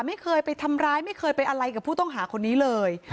ไม่เคยไปทำร้ายไม่เคยไปอะไรกับผู้ต้องหาคนนี้เลย